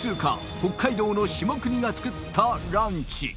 北海道の下國が作ったランチ